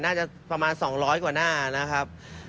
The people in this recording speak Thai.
น่าจะประมาณ๒๐๐กว่าหน้านะครับ